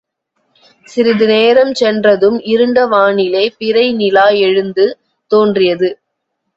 சிறிது நேரம் சென்றதும் இருண்ட வானிலே பிறை நிலா எழுந்து தோன்றியது.